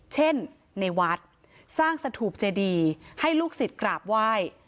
เช่นในวัดสร้างสถูปเจดีให้ลูกศิษย์กราบไหว้